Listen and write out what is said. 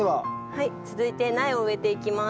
はい続いて苗を植えていきます。